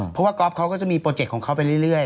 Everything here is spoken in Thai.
เพราะว่าก๊อฟเขาก็จะมีโปรเจกต์ของเขาไปเรื่อย